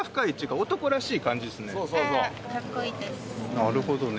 なるほどね。